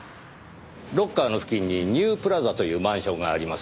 ロッカーの付近にニュープラザというマンションがあります。